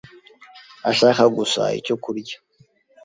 ashaka gusa icyo kurya.